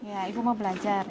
ya ibu mau belajar